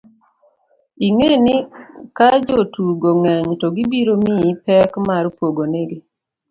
ing'e ni kajotugo ng'eny to gibiro miyi pek mar pogo nigi